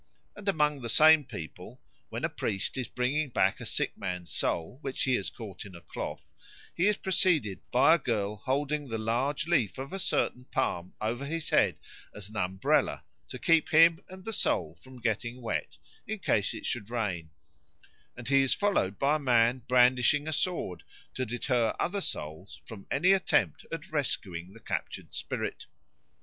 And among the same people, when a priest is bringing back a sick man's soul which he has caught in a cloth, he is preceded by a girl holding the large leaf of a certain palm over his head as an umbrella to keep him and the soul from getting wet, in case it should rain; and he is followed by a man brandishing a sword to deter other souls from any attempt at rescuing the captured spirit.